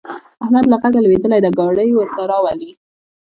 احمد له غږه لوېدلی دی؛ ګاډی ورته راولي.